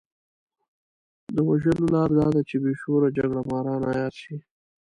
د وژلو لاره دا ده چې بې شعوره جګړه ماران عيار شي.